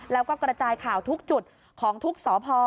แล้วก็กระจายข่าวทุกจุดของทุกสพ